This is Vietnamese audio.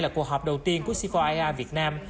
là cuộc họp đầu tiên của c bốn ia việt nam